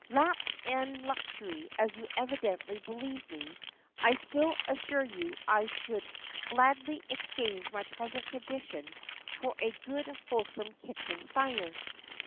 "Lapped in luxury, as you evidently believe me, I still assure you I should gladly exchange my present condition for a good wholesome kitchen fire."